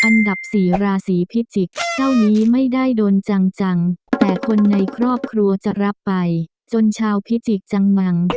อันดับสี่ราศีพิจิกษ์เจ้านี้ไม่ได้โดนจังจังแต่คนในครอบครัวจะรับไปจนชาวพิจิกษ์จังมัง